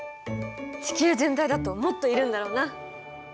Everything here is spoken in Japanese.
地球全体だともっといるんだろうな。